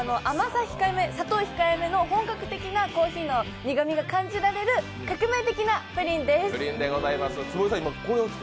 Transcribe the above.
砂糖控えめの本格的なコーヒーの苦みが感じられる革命的なプリンです。